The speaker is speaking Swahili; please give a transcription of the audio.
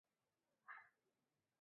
Pamoja na mauzo haramu ya silaha